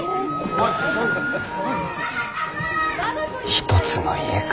一つの家か。